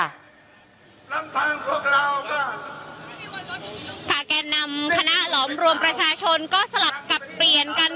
ค่ะแก่นำคณะหลอมรวมประชาชนก็สลับกับเปลี่ยนกัน